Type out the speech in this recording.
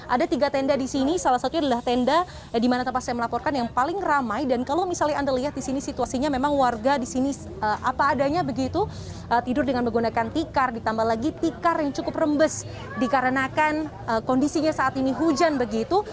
ada tiga tenda di sini salah satunya adalah tenda di mana tempat saya melaporkan yang paling ramai dan kalau misalnya anda lihat di sini situasinya memang warga di sini apa adanya begitu tidur dengan menggunakan tikar ditambah lagi tikar yang cukup rembes dikarenakan kondisinya saat ini hujan begitu